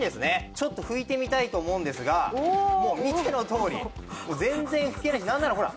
ちょっと拭いてみたいと思うんですがもう見てのとおり全然拭けないしなんならほら